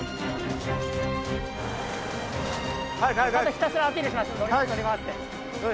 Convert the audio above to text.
ひたすらアピールしましょう！